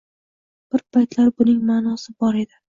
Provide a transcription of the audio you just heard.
—Bir paytlar buning ma’nosi bor edi.